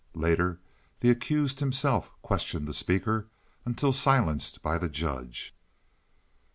Later the accused himself questioned the speaker until silenced by the judge.